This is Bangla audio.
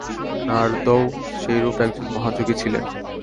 নারদও সেইরূপ একজন মহাযোগী ছিলেন।